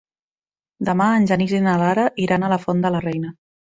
Demà en Genís i na Lara iran a la Font de la Reina.